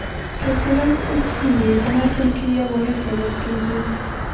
که سېلاب اوږد هم وي په نظم کې یو واحد بلل کیږي.